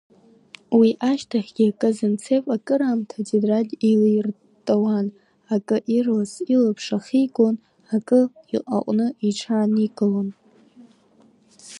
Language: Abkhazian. Уи ашьҭахьгьы Казанцев акыраамҭа атетрад еилирттаауан, акы ирлас илаԥш ахигон, акы аҟны иҽааникылон.